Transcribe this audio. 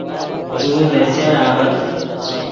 تو دے چر آغت